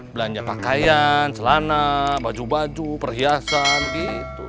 belanja pakaian celana baju baju perhiasan gitu